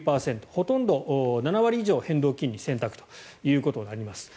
ほとんど、７割以上、変動金利選択ということになります。